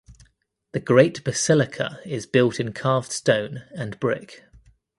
The great basilica is built in carved stone and brick.